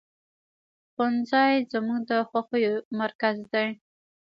ښوونځی زموږ د خوښیو مرکز دی